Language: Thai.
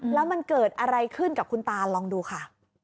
แล้วมันเกิดอะไรขึ้นกับคุณตาลองดูค่ะ